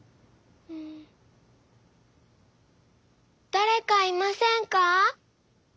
「だれかいませんか？」。